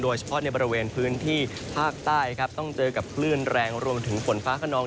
เฉพาะในบริเวณพื้นที่ภาคใต้ครับต้องเจอกับคลื่นแรงรวมถึงฝนฟ้าขนอง